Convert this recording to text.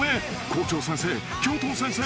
［校長先生。